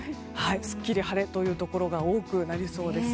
すっきり晴れというところが多くなりそうです。